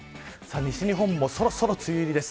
西日本もそろそろ梅雨入りです。